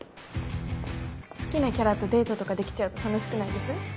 好きなキャラとデートとかできちゃうと楽しくないです？